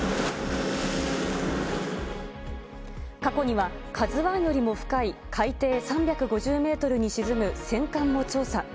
過去には、ＫＡＺＵＩよりも深い海底３５０メートルに沈む戦艦の調査。